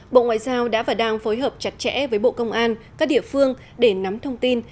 bộ ngoại giao đã và đang phối hợp chặt chẽ với bộ công an các địa phương để nắm thông tin